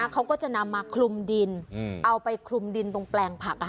เขาก็จะนำมาคลุมดินเอาไปคลุมดินตรงแปลงผัก